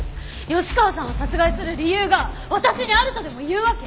吉川さんを殺害する理由が私にあるとでもいうわけ？